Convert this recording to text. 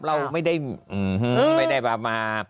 เราไม่ได้มา